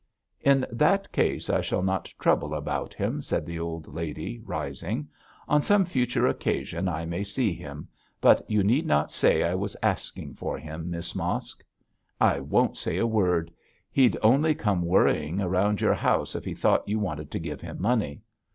'In that case I shall not trouble about him,' said the old lady, rising; 'on some future occasion I may see him. But you need not say I was asking for him, Miss Mosk.' 'I won't say a word; he'd only come worrying round your house if he thought you wanted to give him money.'